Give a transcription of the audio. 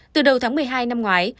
từ đầu tháng một mươi hai năm ngoái